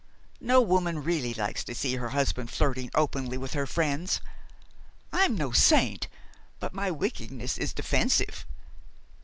No woman really likes to see her husband flirting openly with her friends. I'm no saint; but my wickedness is defensive.